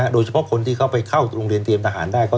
โดยเฉพาะคนที่เข้าวิทยาลงกลินเตรียมทหารนะครับ